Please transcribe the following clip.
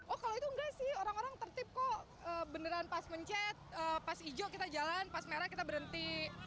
oh kalau itu enggak sih orang orang tertip kok beneran pas mencet pas hijau kita jalan pas merah kita berhenti